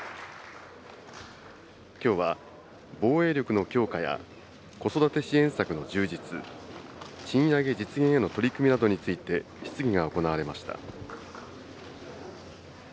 きょうは、防衛力の強化や子育て支援策の充実、賃上げ実現への取り組みなどについて質疑が行われました。